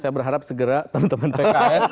saya berharap segera teman teman pks